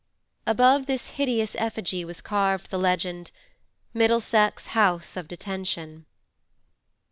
Above this hideous effigy was carved the legend: 'MIDDLESEX HOUSE OF DETENTION.